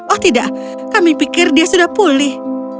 oh tidak kami pikir dia sudah pulih